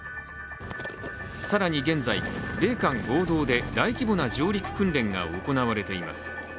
更に現在、米韓合同で大規模な上陸訓練が行われています。